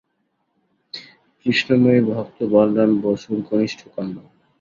কৃষ্ণময়ী ভক্ত বলরাম বসুর কনিষ্ঠা কন্যা।